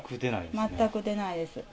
全く出ないですね。